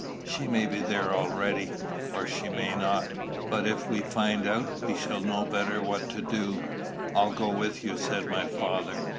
She may be there already, or she may not; but, if we find out, we shall know better what to do." "I'll go with you," said my father.